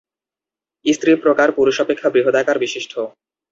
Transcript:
স্ত্রী প্রকার পুরুষ অপেক্ষা বৃহদাকার বিশিষ্ট।